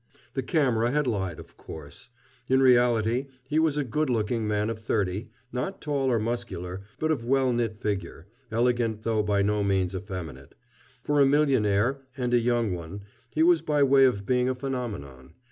The camera had lied, of course. In reality, he was a good looking man of thirty, not tall or muscular, but of well knit figure, elegant though by no means effeminate. For a millionaire, and a young one, he was by way of being a phenomenon.